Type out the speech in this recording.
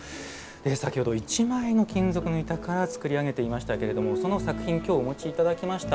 先ほど一枚の金属の板から作り上げていましたけれどもその作品今日お持ち頂きました。